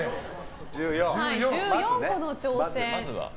１４個の挑戦。